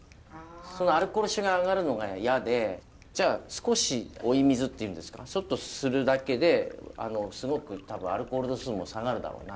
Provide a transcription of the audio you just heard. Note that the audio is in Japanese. そのアルコール臭が上がるのが嫌でじゃあ少し追い水っていうんですかちょっとするだけですごくアルコール度数も下がるだろうな。